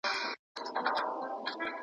حساسو زړونو کې اورونه کرې